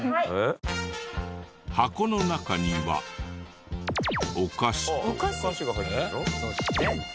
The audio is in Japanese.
箱の中にはお菓子と。